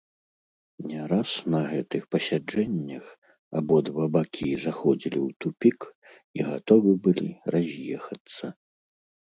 Не раз на гэтых пасяджэннях абодва бакі заходзілі ў тупік і гатовы былі раз'ехацца.